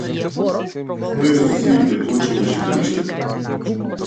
Што е со сивите плочки на шеталиштето?